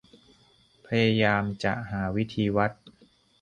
พยายามจะหาวิธีวัด